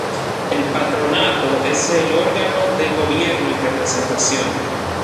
El Patronato es el órgano de gobierno y representación.